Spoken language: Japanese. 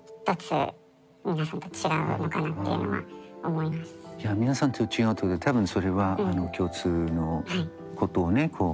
いや皆さんと違うというか多分それは共通のことをね